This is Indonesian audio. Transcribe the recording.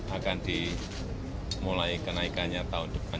akan dimulai kenaikannya tahun depan